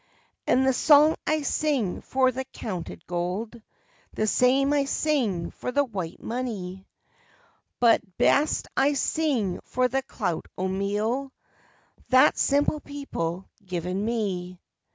"And the song I sing for the counted gold The same I sing for the white money, But best I sing for the clout o' meal That simple people given me."